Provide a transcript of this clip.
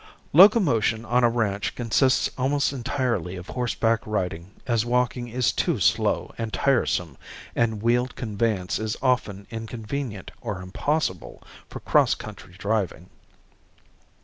Locomotion on a ranch consists almost entirely of horseback riding as walking is too slow and tiresome and wheeled conveyance is often inconvenient or impossible for cross country driving.